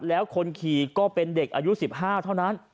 แล้วคนขี่ก็เป็นเด็กอายุ๑๕เท่านั้น